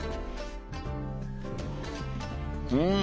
うん！